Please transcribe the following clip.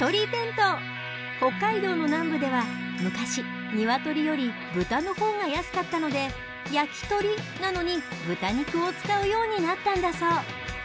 北海道の南部では昔ニワトリよりブタのほうが安かったので「やきとり」なのにブタ肉を使うようになったんだそう。